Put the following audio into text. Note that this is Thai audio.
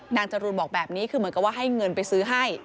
จรูนบอกแบบนี้คือเหมือนกับว่าให้เงินไปซื้อให้